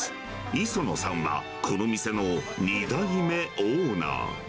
磯野さんは、この店の２代目オーナー。